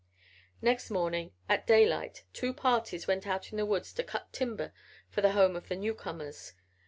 Next morning at daylight two parties went out in the woods to cut timber for the home of the newcomers.